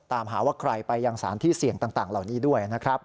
ตามหาว่าใครไปยังสารที่เสี่ยงต่างเหล่านี้ด้วยนะครับ